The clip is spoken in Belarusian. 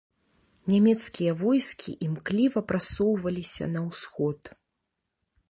Нямецкія войскі імкліва прасоўваліся на ўсход.